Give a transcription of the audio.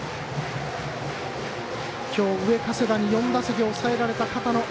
今日、上加世田に４打席抑えられた片野。